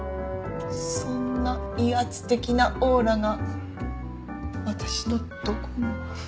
そんな威圧的なオーラが私のどこに？